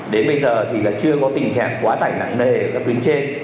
đến bây giờ thì là chưa có tình trạng quá tải nặng nề ở các tuyến trên